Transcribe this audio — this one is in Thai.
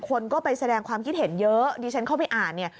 คนก็ไปแสดงความคิดเห็นเยอะดิฉันเข้าไปอ่านเนี่ย